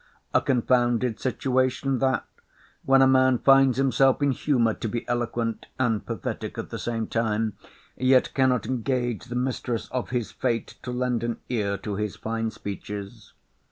A confounded situation that, when a man finds himself in humour to be eloquent, and pathetic at the same time, yet cannot engage the mistress of his fate to lend an ear to his fine speeches.